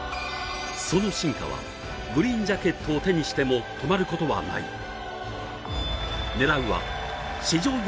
その進化はグリーンジャケットを手にしても止まることはない。